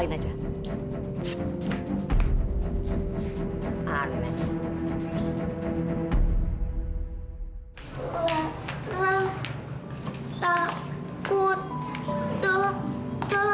enggak lera mau sama tante dewi